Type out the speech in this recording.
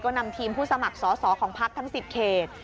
นำทีมผู้สมัครสอสอของพักทั้ง๑๐เขต